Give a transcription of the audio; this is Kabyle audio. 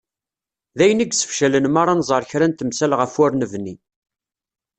D ayen i yessefcalen mi ara nẓer kra n temsal ɣef ur nebni.